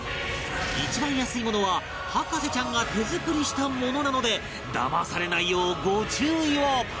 一番安いものは博士ちゃんが手作りしたものなのでだまされないようご注意を